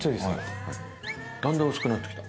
だんだん薄くなってきた。